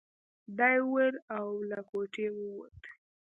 دا يې وويل او له کوټې ووت.